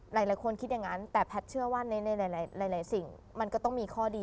หลายคนคิดอย่างนั้นแต่แพทย์เชื่อว่าในหลายสิ่งมันก็ต้องมีข้อดี